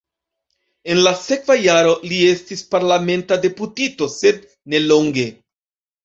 En la sekva jaro li estis parlamenta deputito, sed nelonge.